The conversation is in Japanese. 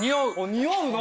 似合うな。